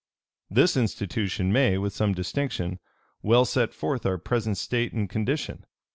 "This institution may, with some distinction, well set forth our present state and condition.